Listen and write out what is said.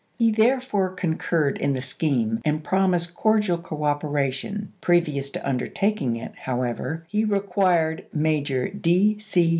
He therefore con curred in the scheme and promised cordial coopera tion. Previous to undertaking it, however, he required Major D. C.